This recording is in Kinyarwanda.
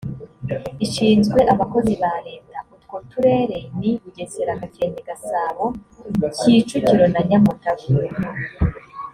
ishinzwe abakozi ba leta utwo turere ni bugesera gakenke gasabo kicukiro na nyamagabe